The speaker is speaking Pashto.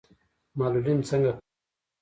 معلولین څنګه کار کوي؟